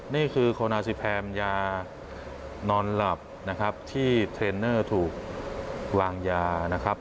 นี่คือโคนาซิแพมยานอนหลับนะครับที่เทรนเนอร์ถูกวางยานะครับ